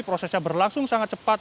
prosesnya berlangsung sangat cepat